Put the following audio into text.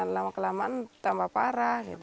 lama kelamaan tambah parah